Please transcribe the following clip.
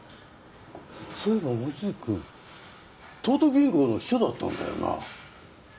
そういえば望月くん東都銀行の秘書だったんだよな。